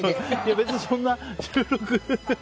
別にそんな収録。